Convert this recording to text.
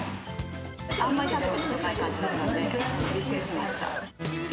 あんまり食べたことない感じだったので、びっくりしました。